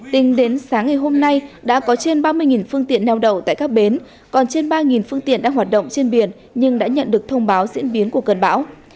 tính đến sáng ngày hôm nay đã có trên ba mươi phương tiện neo đậu tại các bến còn trên ba phương tiện đang hoạt động trên biển nhưng đã nhận được thông báo diễn biến của cơn bão